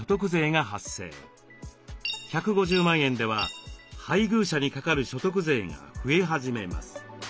１５０万円では配偶者にかかる所得税が増え始めます。